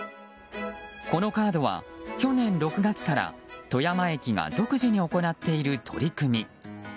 このカードは去年６月から、富山駅が独自に行っている取り組み。